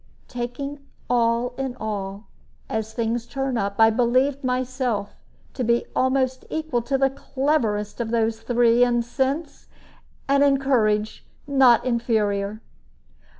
Taking all in all, as things turn up, I believed myself to be almost equal to the cleverest of those three in sense, and in courage not inferior.